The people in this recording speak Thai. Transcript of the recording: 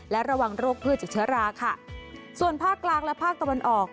และระวังโรคพืชจากเชื้อราค่ะส่วนภาคกลางและภาคตะวันออก